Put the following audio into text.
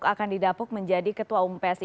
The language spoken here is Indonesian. akan didapuk menjadi ketua umpsi